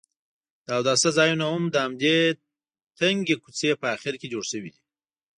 د اوداسه ځایونه هم د همدې تنګې کوڅې په اخر کې جوړ شوي دي.